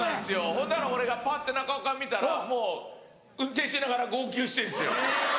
ほんだら俺がパッて中岡見たらもう運転しながら号泣してんですよ。